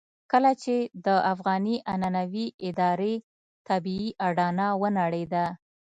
کله چې د افغاني عنعنوي ادارې طبيعي اډانه ونړېده.